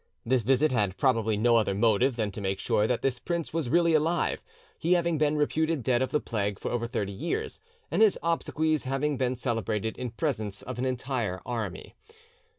This visit had probably no other motive than to make sure that this prince was really alive, he having been reputed dead of the plague for over thirty years, and his obsequies having been celebrated in presence of an entire army.